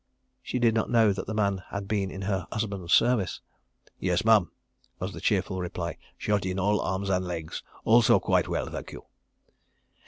(She did not know that the man had been in her husband's service.) "Yes, Mem," was the cheerful reply. "Shot in all arms and legs. Also quite well, thank you."